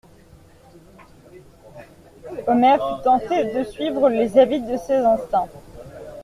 Omer fut tenté de suivre les avis de ses instincts.